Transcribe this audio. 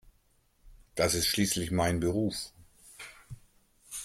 Das ist schließlich mein Beruf.